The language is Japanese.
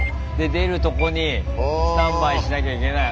出るとこにスタンバイしなきゃいけない。